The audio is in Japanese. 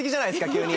急に。